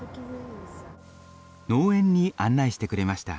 農園に案内してくれました。